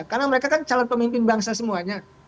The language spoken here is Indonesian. karena mereka kan calon pemimpin bangsa semuanya